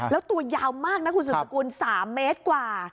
แล้วตัวยาวมากนะคุณสุดสกุล๓เมตรกว่า